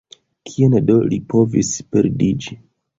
Kien do li povis perdiĝi?